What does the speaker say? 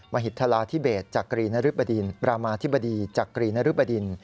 หิตราธิเบศจักรีนริบดินประมาธิบดีจักรีนรุบดิน